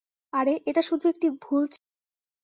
আরে, এটা শুধু একটি ভুল ছিল।